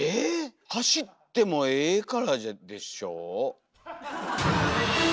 走ってもええからでしょ？